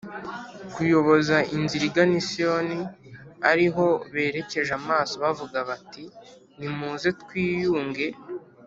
kuyoboza inzira igana i Siyoni ari ho berekeje amaso bavuga bati nimuze twiyunge